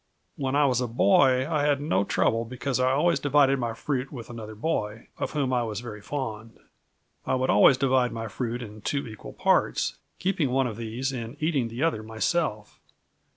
When I was a boy I had no trouble, because I always divided my fruit with another boy, of whom I was very fond. I would always divide my fruit in two equal parts, keeping one of these and eating the other myself.